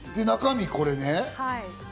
中身、これね。